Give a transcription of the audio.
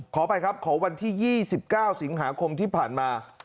ขอไปครับขอวันที่ยี่สิบเก้าสิงหาคมที่ผ่านมา